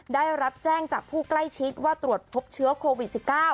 ได้รับแจ้งจากผู้ใกล้ชิดว่าตรวจพบเชื้อโควิด๑๙